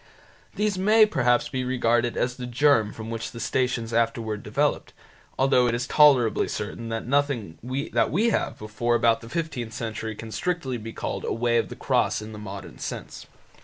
These may perhaps be regarded as the germ from which the Stations afterwards developed, though it is tolerably certain that nothing that we have before about the fifteenth century can strictly be called a Way of the Cross in the modern sense.